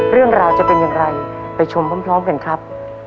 เรื่องราวจะเป็นอย่างไรไปชมพร้อมกันครับ